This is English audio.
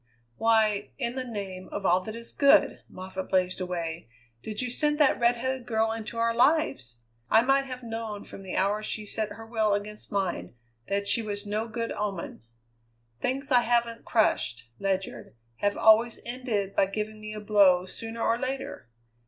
"Why, in the name of all that is good," Moffatt blazed away, "did you send that redheaded girl into our lives? I might have known from the hour she set her will against mine that she was no good omen. Things I haven't crushed, Ledyard, have always ended by giving me a blow, sooner or later.